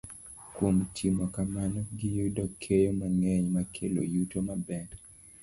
Kuom timo kamano, giyudo keyo mang'eny makelo yuto maber.